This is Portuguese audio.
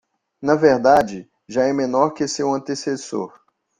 Na verdade, já é menor que seu antecessor.